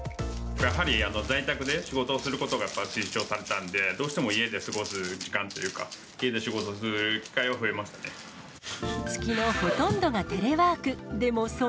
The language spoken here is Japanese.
やはり在宅で仕事をすることが推奨されたんで、どうしても家で過ごす時間というか、月のほとんどがテレワーク。